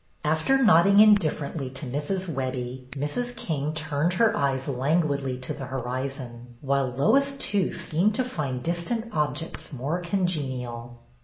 After nodding indifferently to Mrs. Webbie, Mrs. King turned her eyes languidly to the horizon, while Lois, too, seemed to find dis tant objects more congenial.